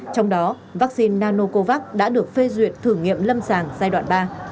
trong đó vaccine nanocovax đã được phê duyệt thử nghiệm lâm sàng giai đoạn ba